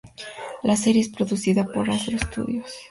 La serie es producida por Hasbro Studios.